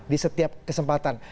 di setiap kesempatan